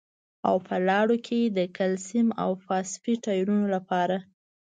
او په لاړو کې د کلسیم او فاسفیټ ایونونو لپاره